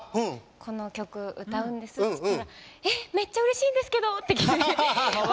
「この曲歌うんです」って言ったら「えっめっちゃうれしいんですけど！」って来て本当に大好きって思いました。